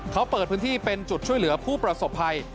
เขาเปิดพื้นที่เป็นจุดช่วยเหลือผู้ประสบภัย